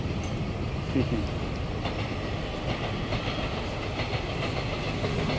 Tong wii ku nii.